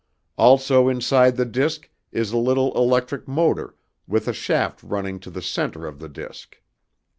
Also inside the disc is a little electric motor with a shaft running to the center of the disc.